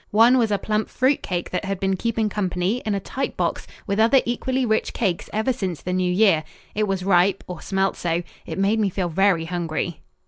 One was a plump fruit cake that had been keeping company, in a tight box, with other equally rich cakes ever since the New Year. It was ripe, or smelt so. It made me feel very hungry.